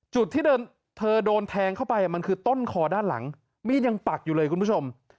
จุดที่เธอโดนแทงเข้าไปมันคือต้นคอด้านหลังมีดยังปักอยู่เลยคุณผู้ชม